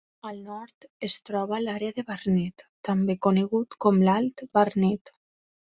Al nord es troba l'àrea de Barnet, també conegut com l'Alt Barnet.